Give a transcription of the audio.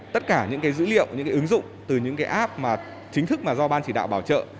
tất cả những dữ liệu những ứng dụng từ những app chính thức do ban chỉ đạo bảo trợ